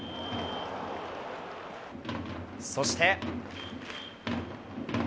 そして。